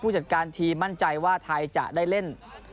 จัดการทีมมั่นใจว่าไทยจะได้เล่น